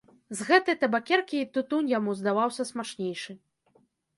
З гэтай табакеркі і тытунь яму здаваўся смачнейшы.